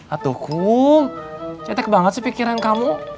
atuh kum cetek banget sih pikiran kamu